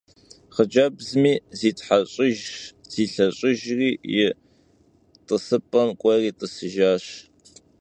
Xhıcebzmi zitheş'ıjjş, zilheş'ıjjri yi t'ısıp'em k'ueri t'ısıjjaş.